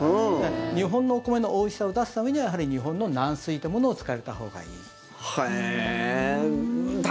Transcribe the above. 日本のお米のおいしさを出すためにはやはり日本の軟水というものを使われたほうがいい。